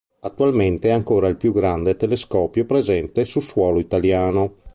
Attualmente è ancora il più grande telescopio presente su suolo italiano.